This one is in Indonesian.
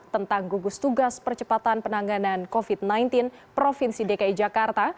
tentang gugus tugas percepatan penanganan covid sembilan belas provinsi dki jakarta